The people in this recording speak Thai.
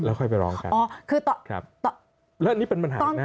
แล้วนี่เป็นปัญหานะ